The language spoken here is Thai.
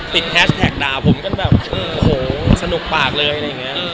แฮชแท็กด่าผมกันแบบโอ้โหสนุกปากเลยอะไรอย่างนี้